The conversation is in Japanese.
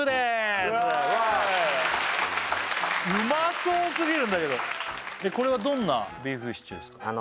まそうすぎるんだけどこれはどんなビーフシチューですか？